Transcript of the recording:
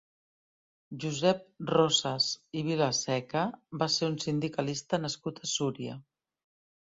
Josep Rosas i Vilaseca va ser un sindicalista nascut a Súria.